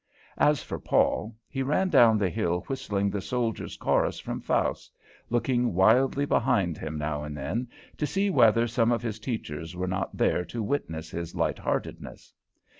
As for Paul, he ran down the hill whistling the Soldiers' Chorus from Faust, looking wildly behind him now and then to see whether some of his teachers were not there to witness his lightheartedness.